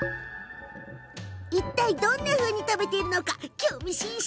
どんなふうに食べているのか興味津々。